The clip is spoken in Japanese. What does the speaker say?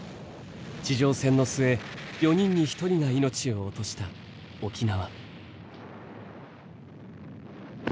地上戦の末４人に１人が命を落とした沖縄。